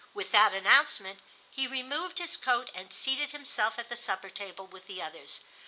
With that announcement he removed his coat and seated himself at the supper table with the others.